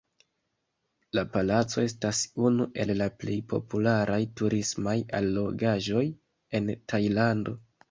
La palaco estas unu el la plej popularaj turismaj allogaĵoj en Tajlando.